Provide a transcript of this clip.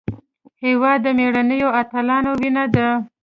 هېواد د مېړنیو اتلانو وینه ده.